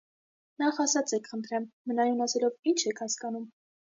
Նախ ասացեք, խնդրեմ, մնայուն ասելով ի՞նչ եք հասկանում: